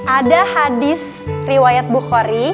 ada hadis riwayat bukhari